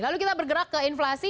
lalu kita bergerak ke inflasi